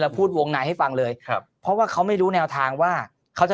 พูดวงในให้ฟังเลยครับเพราะว่าเขาไม่รู้แนวทางว่าเขาจะ